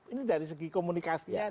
ini dari segi komunikasi